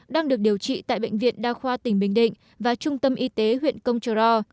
đang được điều trị tại bệnh viện đa khoa tỉnh bình định và trung tâm y tế huyện công trờ ro